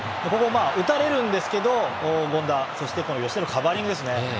打たれるんですけど権田、そして吉田のカバーリングですね。